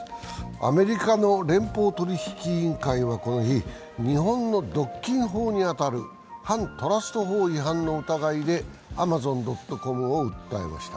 アメリカの連邦取引委員会はこの日、日本の独禁法に当たる反トラスト法違反の疑いでアマゾン・ドット・コムを訴えました。